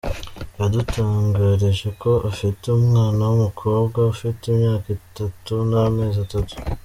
Yadutangarije ko afite umwana w'umukobwa ufite imyaka itatu n'amezi atatu.